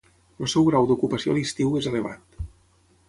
El seu grau d'ocupació a l'estiu és elevat.